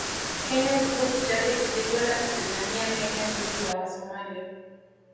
Kenya kikosi chake kilikwenda kupigania Kenya dhidi ya Wasomali